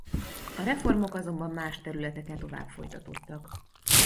A reformok azonban más területeken tovább folytatódtak.